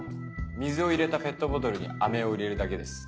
水を入れたペットボトルにあめを入れるだけです。